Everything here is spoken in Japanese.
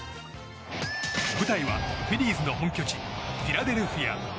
舞台はフィリーズの本拠地フィラデルフィア。